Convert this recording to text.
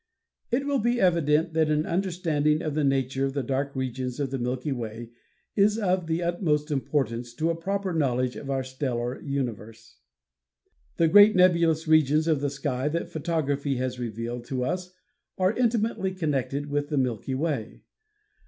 It will be evident that an understanding of the nature of the dark regions of the Milky Way is of the utmost im portance to a proper knowledge of our stellar universe. The great nebulous regions of the sky that photography has revealed to us are intimately connected with the Milky Way.